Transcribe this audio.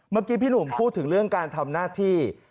พี่หนุ่มพูดถึงเรื่องการทำหน้าที่